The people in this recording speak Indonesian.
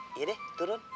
iya deh turun